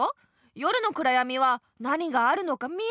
夜のくらやみはなにがあるのか見えない。